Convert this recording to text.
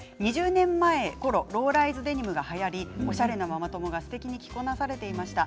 ２０年前ローライズデニムがはやり、おしゃれなママ友が着こなされていました。